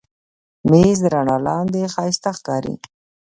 مېز د رڼا لاندې ښایسته ښکاري.